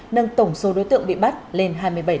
nâng tổng số đối tượng bị bắt lên hai mươi bảy